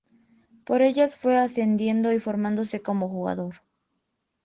Por ellas fue ascendiendo y formándose como jugador.